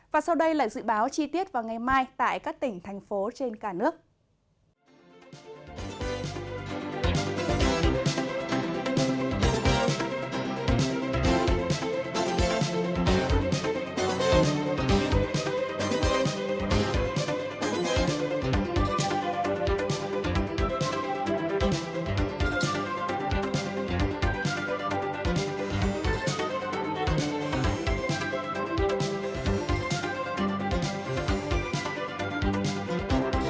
và sau đây là dự báo chi tiết vào ngày mai tại các tỉnh thành phố trên cả nước